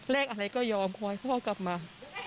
เรียกอะไรก็ยอมคอยพ่อกลับมา